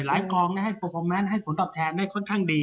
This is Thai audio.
กองให้โปรโมแนนให้ผลตอบแทนได้ค่อนข้างดี